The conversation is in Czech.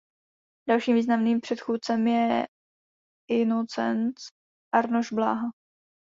Dalším významným předchůdcem je Inocenc Arnošt Bláha.